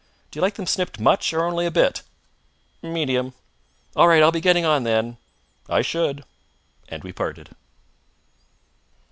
"Do you like them snipped much, or only a bit?" "Medium." "All right. I'll be getting on, then." "I should." And we parted.